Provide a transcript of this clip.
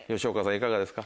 いかがですか？